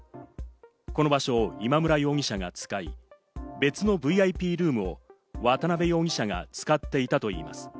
この場所を今村容疑者が使い、別のＶＩＰルームを渡辺容疑者が使っていたといいます。